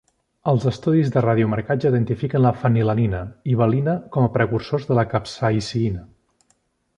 Els estudis de radiomarcatge identifiquen la fenilalanina i valina com a precursors de la capsaïcina.